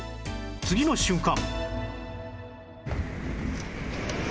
次の瞬間！